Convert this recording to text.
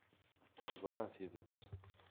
Ẓṛan tidett.